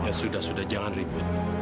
ya sudah sudah jangan ribut